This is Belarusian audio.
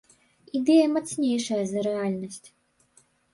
Ідэя мацнейшая за рэальнасць.